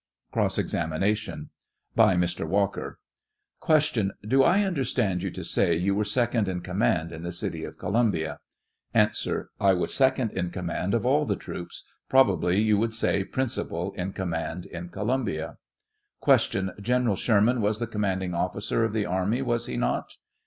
Cross examination: By Mr. Walker: Q. Do I understand you to say you wei e second in command in the city of Columbia? A. I was second in command of all the troops ; pro bably you would say principal in command in Columbia. Q. General Sherman was the commanding oflS.cer of the army, was he not?